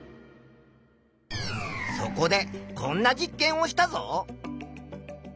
そこでこんな実験をしたぞ。